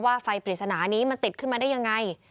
ไฟปริศนานี้มันติดขึ้นมาได้ยังไง